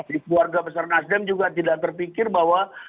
jadi keluarga besar nasdem juga tidak terpikir bahwa